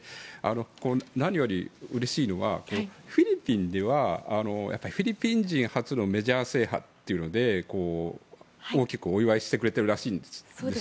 何よりうれしいのはフィリピンではフィリピン人初のメジャー制覇というので大きくお祝いをしてくれているらしいです。